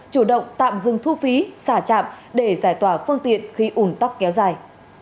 chủ động tạm dừng thu phí xả trạm để giải tỏa phương tiện khi ủn tắc kéo dài